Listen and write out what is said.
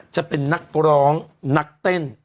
จะเป็นนักร้องนักเต้น